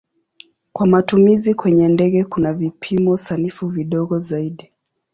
Kwa matumizi kwenye ndege kuna vipimo sanifu vidogo zaidi.